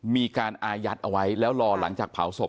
มีการอายัดเอาไว้แล้วรอหลังจากเผาศพ